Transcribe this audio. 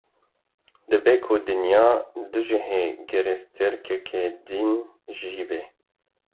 Dibe ku dinya dojeha gerestêrkeke din jî be.